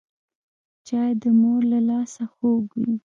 چای د مور له لاسه خوږ وي